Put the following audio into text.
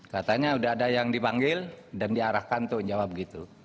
katanya sudah ada yang dipanggil dan diarahkan untuk menjawab gitu